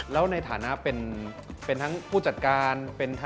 แล้วในฐานะเป็นทั้งผู้จัดการ